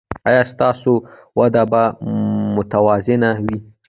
ایا ستاسو وده به متوازنه نه وي؟